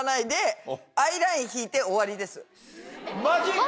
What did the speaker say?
マジか！